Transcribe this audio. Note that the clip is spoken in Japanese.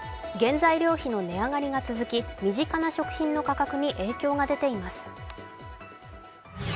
原材料費の値上がりが続き身近な食品の価格に影響が出ています。